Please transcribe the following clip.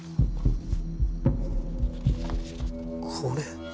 これ。